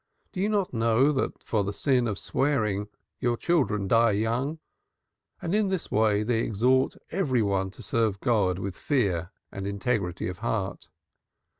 Do you not know that for the sin of swearing your children die young?' And in this way they exhort every one to serve God with fear and integrity of heart.